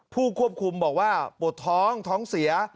ผู้ควบคุมบอกว่าปวดท้องท้องเสีย